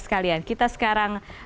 sekalian kita sekarang